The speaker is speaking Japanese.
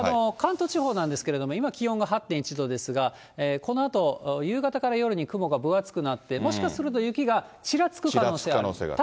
関東地方なんですけれども、今気温が８．１度ですが、このあと夕方から夜に雲が分厚くなって、もしかすると雪がちらつく可能性。